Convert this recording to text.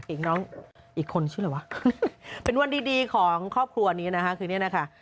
อีกน้องอีกคนใช่เหรอวะเป็นวันดีดีของครอบครัวนี้นะคะคือเนี่ยนะคะ